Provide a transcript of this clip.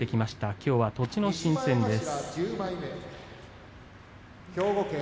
きょうは栃ノ心戦です。